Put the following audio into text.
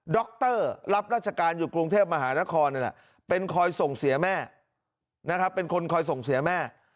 ด็อกเตอร์รับราชการอยู่กรุงเทพมหานครเป็นคนคอยส่งเสียแม่